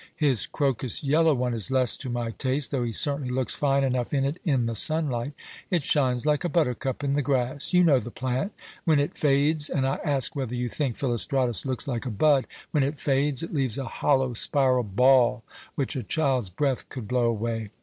His crocus yellow one is less to my taste, though he certainly looks fine enough in it in the sunlight. It shines like a buttercup in the grass. You know the plant. When it fades and I ask whether you think Philostratus looks like a bud when it fades, it leaves a hollow spiral ball which a child's breath could blow away.